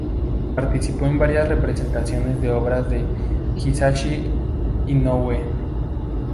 Participó en varias representaciones de obras de Hisashi Inoue.